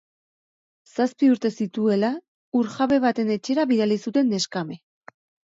Zazpi urte zituela, lur-jabe baten etxera bidali zuten neskame.